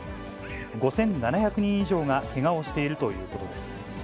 ５７００人以上がけがをしているということです。